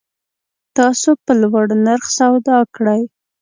تاسو په لوړ نرخ سودا کړی